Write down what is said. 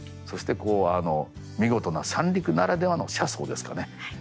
そしてこうあの見事な三陸ならではの車窓ですかね